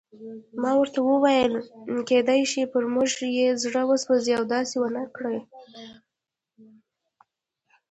ما ورته وویل: کېدای شي پر موږ یې زړه وسوځي او داسې ونه کړي.